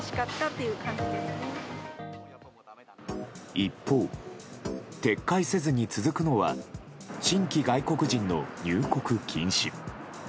一方、撤回せずに続くのは新規外国人の入国禁止。